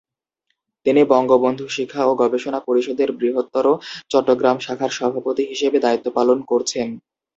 তিনি বঙ্গবন্ধু শিক্ষা ও গবেষণা পরিষদের বৃহত্তর চট্টগ্রাম শাখার সভাপতি হিসেবে দায়িত্ব পালন করছেন।